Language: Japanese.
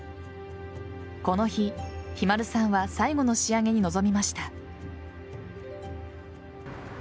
この日、ひまるさんは最後の仕上げに臨みました。